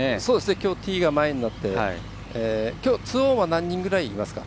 きょう、ティーが前になって２オンは何人ぐらいいますか？